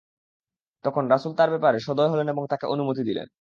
তখন রাসূল তাঁর ব্যাপারে সদয় হলেন এবং তাকে অনুমতি দিলেন।